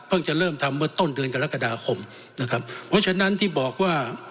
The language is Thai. จะเริ่มทำเมื่อต้นเดือนกรกฎาคมนะครับเพราะฉะนั้นที่บอกว่า